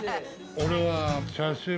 俺は。